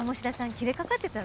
キレかかってたわよ。